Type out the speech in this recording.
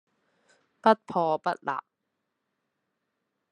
不破不立